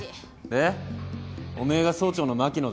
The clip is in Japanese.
でおめえが総長の牧野だろ？